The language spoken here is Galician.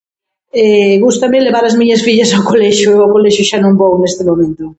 Gústame leva-las miñas fillas ao colexio. Ao colexio xa non vou neste momento.